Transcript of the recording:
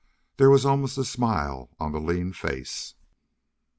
There was almost a smile on the lean face.